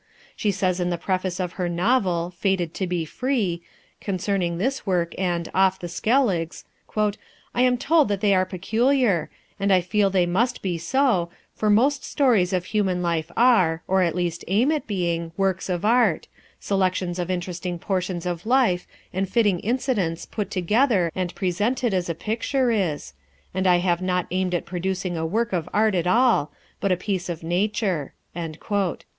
She says in the preface of her novel, Fated to be Free, concerning this work and Off the Skelligs, "I am told that they are peculiar; and I feel that they must be so, for most stories of human life are, or at least aim at being, works of art selections of interesting portions of life, and fitting incidents put together and presented as a picture is; and I have not aimed at producing a work of art at all, but a piece of nature."